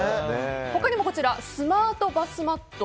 他にもスマートバスマット。